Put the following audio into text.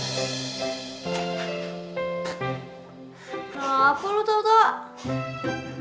kenapa lo tau tau